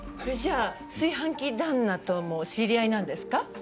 じゃあ炊飯器旦那とも知り合いなんですか？